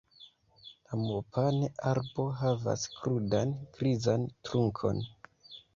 La mopane-arbo havas krudan, grizan trunkon.